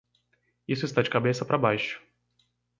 Isso está de cabeça para baixo.